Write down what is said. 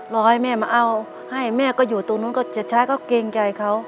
รอให้แม่มาเอาให้แม่ก็อยู่ตรงนู้นก็จะช้าก็เกรงใจเขา